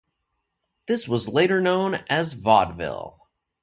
This was later known as Vaudeville.